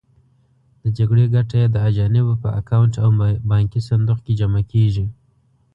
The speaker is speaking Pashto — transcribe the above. د جګړې ګټه یې د اجانبو په اکاونټ او بانکي صندوق کې جمع کېږي.